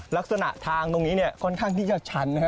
ลักษณะทางตรงนี้ค่อนข้างที่จะชันนะฮะ